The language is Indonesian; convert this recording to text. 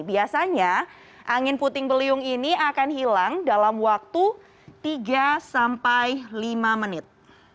biasanya angin puting beliung ini akan hilang dalam waktu tiga sampai lima menit